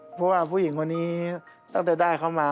เพราะว่าผู้หญิงคนนี้ตั้งแต่ได้เขามา